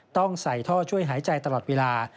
ต้องใส่ท่อช่วยหายใจตลอดเวลา